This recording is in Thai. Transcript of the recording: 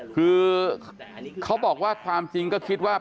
คือเขาบอกว่าความจริงก็คิดว่า